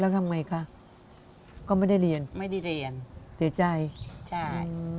แล้วทำไงคะก็ไม่ได้เรียนไม่ได้เรียนเสียใจใช่